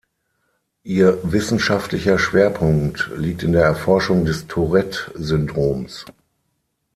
Ihr wissenschaftlicher Schwerpunkt liegt in der Erforschung des Tourette-Syndroms.